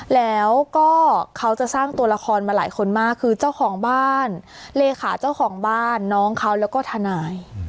แล้วก็เขาจะสร้างตัวละครมาหลายคนมากคือเจ้าของบ้านเลขาเจ้าของบ้านน้องเขาแล้วก็ทนาย